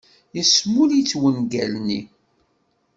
Yesmull-itt wungal-nni.